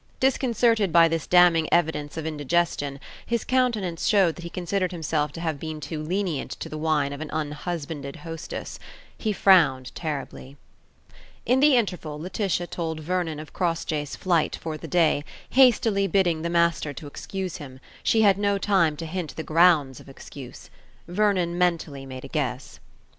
Disconcerted by this damning evidence of indigestion, his countenance showed that he considered himself to have been too lenient to the wine of an unhusbanded hostess. He frowned terribly. In the interval Laetitia told Vernon of Crossjay's flight for the day, hastily bidding the master to excuse him: she had no time to hint the grounds of excuse. Vernon mentally made a guess.